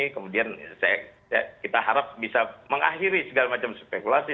kemudian kita harap bisa mengakhiri segala macam spekulasi